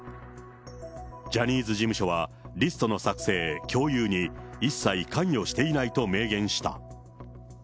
ジャニーズ事務所はリストの作成、共有に、一切関与していないと明言した。